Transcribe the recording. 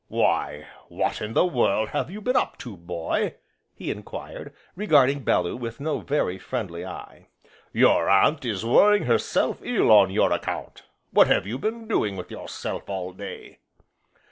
"Why what in the world have you been up to, boy?" he enquired, regarding Bellew with no very friendly eye. "Your Aunt is worrying herself ill on your account, what have you been doing with yourself all day?"